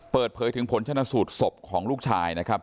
เปิดเผยถึงผลชนะสูตรศพของลูกชายนะครับ